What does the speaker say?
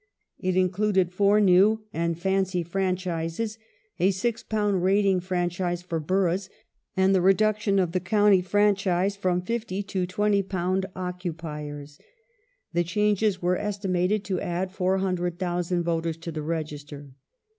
^ It included four new and "fancy" franchises ; a £6 rating franchise for boroughs and the reduction of the county franchise from £50 to £20 occupiers. The changes were estimated to add 400,000 voters to the register.